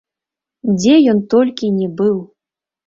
Дзе ён толькі ні быў!